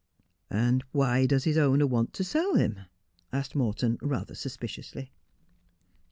' Why does his owner want to sell him 1 ' asked Morton, rather suspiciously.